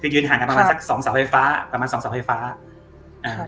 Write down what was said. ยืนห่างนะคะสัก๒เสาไฟฟ้าสัก๒เสาไฟฟ้าอ่า